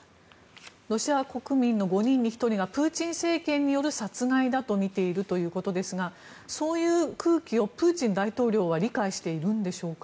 ロシア国民の５人に１人がプーチン政権による殺害だとみているということですがそういう空気をプーチン大統領は理解しているんでしょうか。